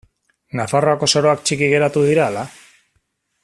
Nafarroako soroak txiki geratu dira ala?